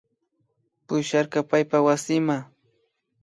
Pusharka paypa wasima